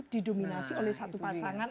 didominasi oleh satu pasangan